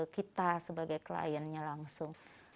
kita sebagai kliennya langsung